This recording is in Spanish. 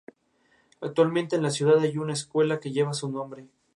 Actualmente en la ciudad hay una escuela que lleva su nombre.